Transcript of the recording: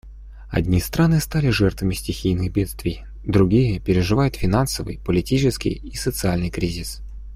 Одни страны стали жертвами стихийных бедствий, другие переживают финансовый, политический и социальный кризис.